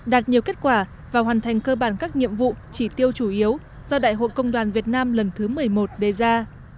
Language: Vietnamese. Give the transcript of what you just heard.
đạt nhiều kết quả và hoàn thành cơ bản các nhiệm vụ chỉ tiêu chủ yếu do đại hội công đoàn việt nam lần thứ một mươi một đề ra